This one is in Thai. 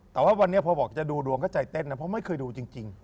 แต่ว่าวันนี้พอบอกจะดูดวงก็ใจเต้นนะเพราะไม่เคยดูจริง